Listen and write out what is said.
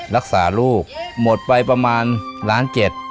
รักษาลูกหมดไปประมาณล้านเจ็ด